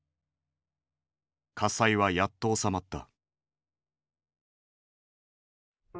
火災はやっと収まった。